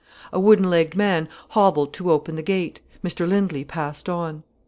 A wooden legged man hobbled to open the gate, Mr Lindley passed on.